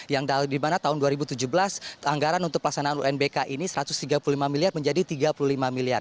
yang dimana tahun dua ribu tujuh belas anggaran untuk pelaksanaan unbk ini satu ratus tiga puluh lima miliar menjadi tiga puluh lima miliar